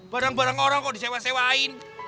barang barang orang kok disewa sewain